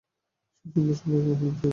সে সঙ্গে-সঙ্গে বলল, হালিম সাহেবের সঙ্গে।